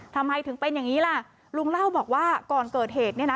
ทำไมถึงเป็นอย่างนี้ล่ะลุงเล่าบอกว่าก่อนเกิดเหตุเนี่ยนะ